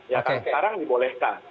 ya kan sekarang dibolehkan